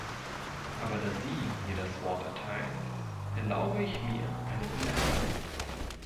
Aber da Sie mir das Wort erteilen, erlaube ich mir eine Bemerkung.